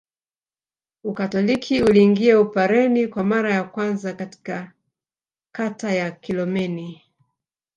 Ukatoliki uliingia Upareni kwa mara ya kwanza katika kata ya Kilomeni